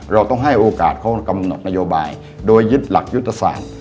เราต้องให้โอกาสเขากำหนดนโยบายโดยยึดหลักยุทธศาสตร์